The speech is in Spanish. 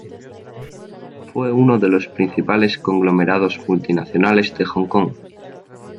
Fue uno de los principales conglomerados multinacionales de Hong Kong.